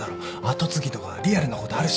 跡継ぎとかリアルなことあるし。